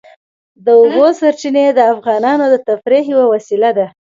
د اوبو سرچینې د افغانانو د تفریح یوه وسیله ده.